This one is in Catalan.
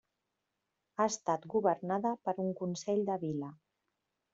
Ha estat governada per un consell de vila.